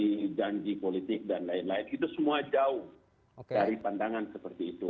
dari janji politik dan lain lain itu semua jauh dari pandangan seperti itu